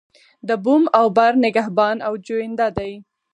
د بوم او بر نگهبان او جوینده دی.